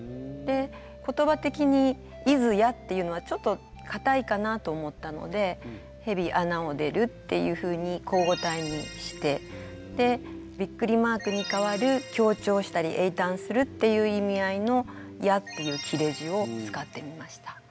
言葉的に「出づや」っていうのはちょっとかたいかなと思ったので「蛇穴を出る」っていうふうに口語体にしてで「！」に代わる強調したり詠嘆するっていう意味合いの「や」っていう切れ字を使ってみました。